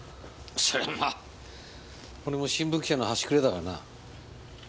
そりゃまぁ俺も新聞記者の端くれだからな。